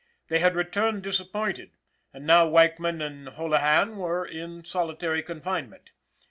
They had returned disappointed; and now Weichman and Holahan were in solitary confinement.